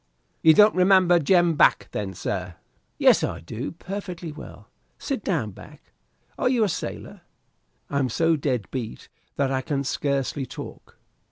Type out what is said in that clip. "You don't remember Jem Back then, sir?" "Yes I do, perfectly well. Sit down, Back. Are you a sailor? I am so dead beat that I can scarcely talk."